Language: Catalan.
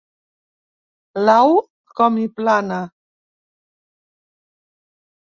L'au, com hi plana—.